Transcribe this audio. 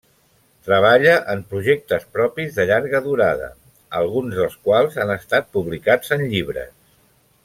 Treballa en projectes propis de llarga durada, alguns dels quals han estat publicats en llibres.